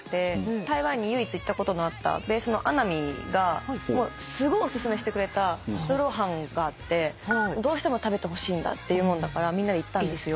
台湾に唯一行ったことのあったベースの穴見がすごいおすすめしてくれた魯肉飯があってどうしても食べてほしいんだって言うもんだからみんなで行ったんですよ。